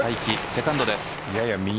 セカンドです。